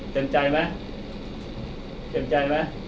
เต็มใจไหมเต็มใจไหม